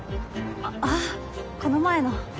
あこの前の。